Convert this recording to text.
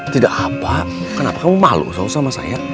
tidak apa kenapa kamu malu kamu sama saya